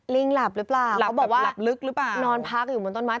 ลิงหลับหรือเปล่าเขาบอกว่านอนพักอยู่บนต้นไม้หลับลึกหรือเปล่า